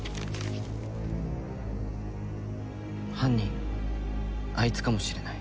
犯人あいつかもしれない。